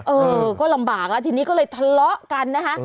เออก็ลำบากแล้วทีนี้ก็เลยทะเลาะกันนะคะ